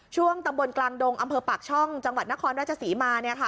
ช่วงตำบลกลางดงอำเภอปากช่องจังหวัดนครราชศรีมา